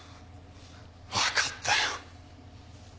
わかったよ。